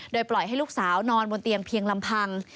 โดยปล่อยให้ลูกสาวนอนบนเตียงเพียงลำพัง